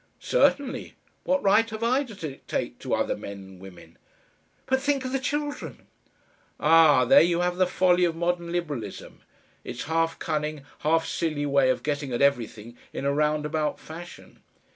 "Certainly. What right have I to dictate to other men and women?" "But think of the children!" "Ah! there you have the folly of modern Liberalism, its half cunning, half silly way of getting at everything in a roundabout fashion.